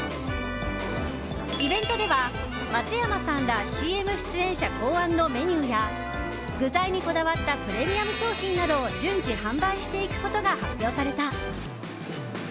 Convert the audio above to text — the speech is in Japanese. イベントでは松山さんらＣＭ出演者考案のメニューや具材にこだわったプレミアム商品などを順次、販売していくことが発表された。